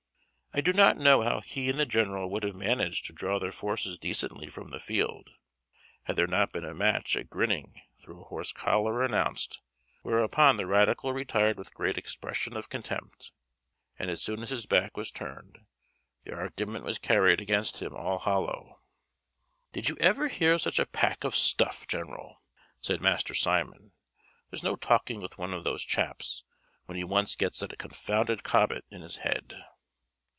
I do not know how he and the general would have managed to draw their forces decently from the field, had there not been a match at grinning through a horse collar announced, whereupon the radical retired with great expression of contempt, and as soon as his back was turned, the argument was carried against him all hollow. [Illustration: The General Nonplussed] "Did you ever hear such a pack of stuff, general?" said Master Simon; "there's no talking with one of these chaps when he once gets that confounded Cobbett in his head."